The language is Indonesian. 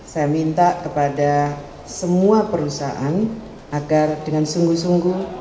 saya minta kepada semua perusahaan agar dengan sungguh sungguh